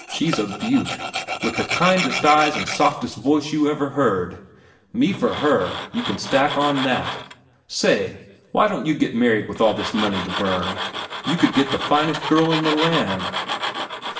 She's a beaut, with the kindest eyes and softest voice you ever heard. Me for her, you can stack on that. Say, why don't you get married with all this money to burn? You could get the finest girl in the land."